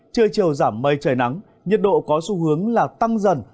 trưa chiều giảm mây trời nắng nhiệt độ có xu hướng là tăng dần